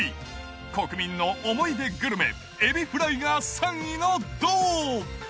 国民の思い出グルメ、エビフライが３位の銅。